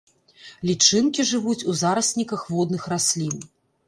Лічынкі жывуць у зарасніках водных раслін.